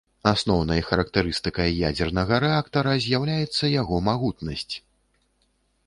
Асноўнай характарыстыкай ядзернага рэактара з'яўляецца яго магутнасць.